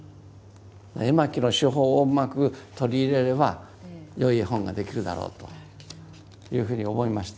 絵巻の手法をうまく取り入れればよい絵本ができるだろうというふうに思いました。